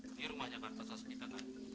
di rumahnya kan tersosok kita kan